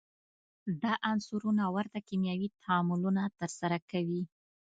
دا عنصرونه ورته کیمیاوي تعاملونه ترسره کوي.